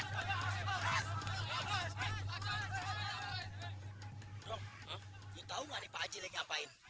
bro lo tau gak nih pak aji yang ngapain